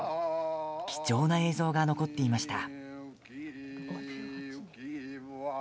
貴重な映像が残っていました。